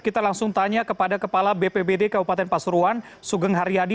kita langsung tanya kepada kepala bpbd kabupaten pasuruan sugeng haryadi